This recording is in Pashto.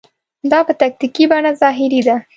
دا په تکتیکي بڼه ظاهري ده.